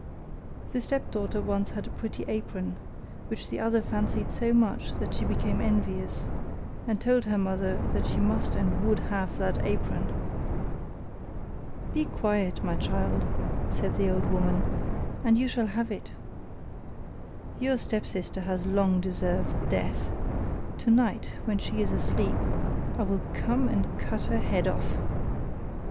The stepdaughter once had a pretty apron, which the other fancied so much that she became envious, and told her mother that she must and would have that apron. 'Be quiet, my child,' said the old woman, 'and you shall have it. Your stepsister has long deserved death; tonight when she is asleep I will come and cut her head off.